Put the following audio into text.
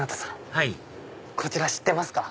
はいこちら知ってますか？